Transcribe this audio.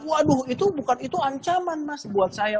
waduh itu bukan itu ancaman mas buat saya